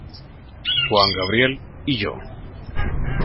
Juan Gabriel y Yo".